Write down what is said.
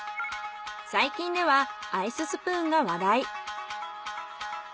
最近ではアイススプーンが話題。